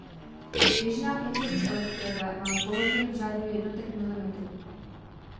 Běžná pracovní elektroda má poloměr v řádu jednotek milimetrů.